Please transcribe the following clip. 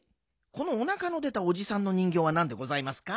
このおなかの出たおじさんの人ぎょうはなんでございますか？